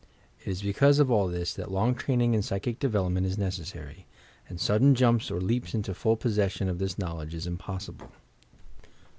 It is because of all this that long training in psychic development is neees!»ry ; and sudden jumps or leaps into full possession of this knowledge is im possible.